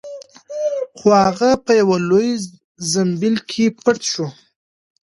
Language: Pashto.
خو هغه په یوه لوی زنبیل کې پټ شو.